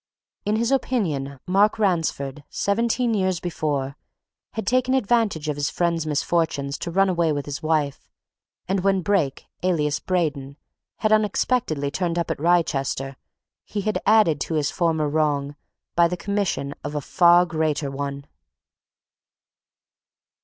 In his opinion, Mark Ransford, seventeen years before, had taken advantage of his friend's misfortunes to run away with his wife, and when Brake, alias Braden, had unexpectedly turned up at Wrychester, he had added to his former wrong by the commission of a far greater one.